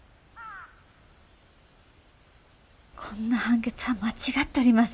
こんな判決は間違っとります。